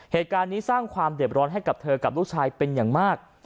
เหตุการณ์นี้สร้างความเด็บร้อนให้กับเธอกับลูกชายเป็นอย่างมาก